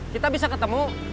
kita bisa ketemu